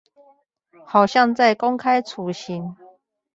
好像在公開處刑